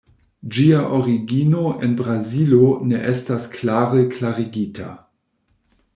Ĝia origino en Brazilo ne estas klare klarigita.